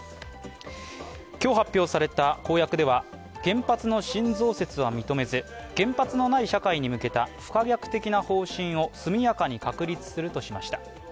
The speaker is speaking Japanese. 今日、発表された公約では原発の新増設は認めず、原発のない社会に向けた不可逆的な方針を速やかに確立するとしました。